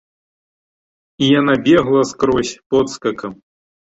І яна бегла скрозь подскакам.